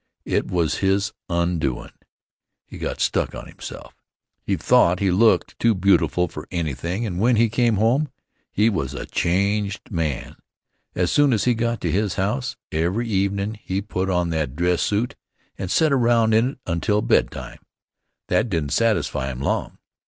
It was his undoin'. He got stuck on himself. He thought he looked too beautiful for anything, and when he came home he was a changed man. As soon as he got to his house every evenin' he put on that dress Suit and set around in it until bedtime. That didn't satisfy him long.